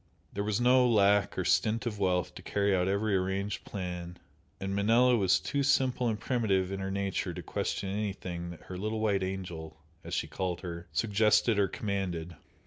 There was no lack or stint of wealth to carry out every arranged plan, and Manella was too simple and primitive in her nature to question anything that her "little white angel" as she called her, suggested or commanded.